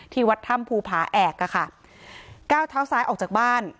วัดถ้ำภูผาแอกอะค่ะก้าวเท้าซ้ายออกจากบ้าน